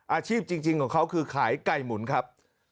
อาชีพจริงของเขาคือขายไก่หมุนครับ